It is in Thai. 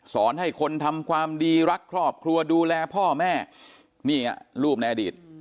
สอนให้คนทำความดีรักครอบครัวดูแลพ่อแม่นี่รูปในอดีต